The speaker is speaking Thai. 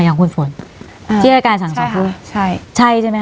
อย่างคุณฝนที่อายการสั่งสอบใช่ใช่ใช่ไหม